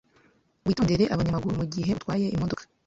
Witondere abanyamaguru mugihe utwaye imodoka.